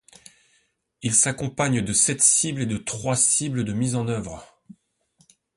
Il s'accompagne de sept cibles et de trois cibles de mise en œuvre.